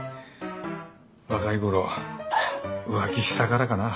若い頃浮気したからかな。